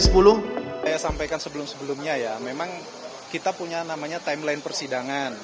saya sampaikan sebelum sebelumnya ya memang kita punya namanya timeline persidangan